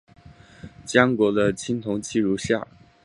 江国的青铜器如下。